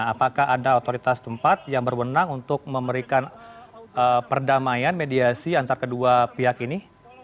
apakah ada otoritas tempat yang berwenang untuk memberikan perdamaian mediasi antar kedua pihak ini